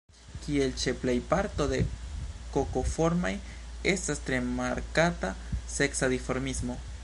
Kiel ĉe plej parto de Kokoformaj, estas tre markata seksa dimorfismo.